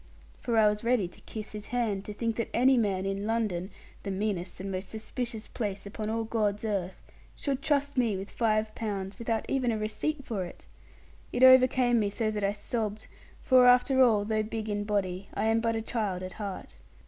For I was ready to kiss his hand, to think that any man in London (the meanest and most suspicious place, upon all God's earth) should trust me with five pounds, without even a receipt for it! It overcame me so that I sobbed; for, after all, though big in body, I am but a child at heart.